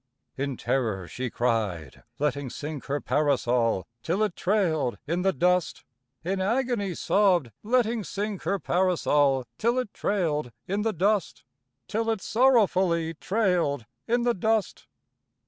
In terror she cried, letting sink her Parasol till it trailed in the dust; In agony sobbed, letting sink her Parasol till it trailed in the dust, Till it sorrowfully trailed in the dust.